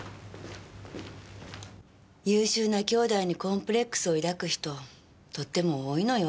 優秀な兄弟にコンプレックスを抱く人とっても多いのよ。